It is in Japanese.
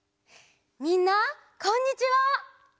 みんなこんにちは！